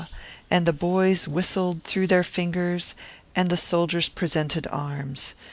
and the little boys whistled through their fingers, and the soldiers presented arms.